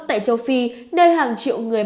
tại châu phi nơi hàng triệu người